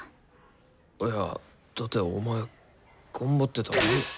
いやだってお前頑張ってたのに。